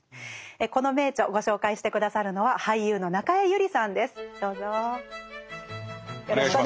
この名著ご紹介して下さるのは俳優の中江有里さんです。